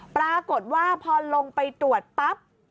ปรากฏว่าพอลงไปตรวจปั๊บ